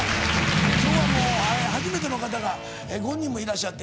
今日はもう初めての方が５人もいらっしゃって。